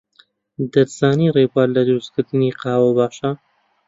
دەتزانی ڕێبوار لە دروستکردنی قاوە باشە؟